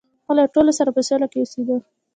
هغه له ټولو سره په سوله کې اوسیده.